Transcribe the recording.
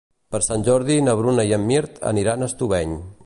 Per Sant Jordi na Bruna i en Mirt aniran a Estubeny.